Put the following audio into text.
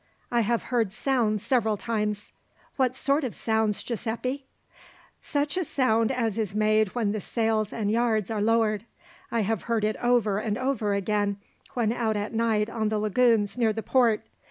"I have heard sounds several times." "What sort of sounds, Giuseppi?" "Such a sound as is made when the sails and yards are lowered. I have heard it over and over again when out at night on the lagoons near the port.